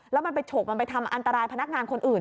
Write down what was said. แล้วมันไปฉกมันไปทำอันตรายพนักงานคนอื่น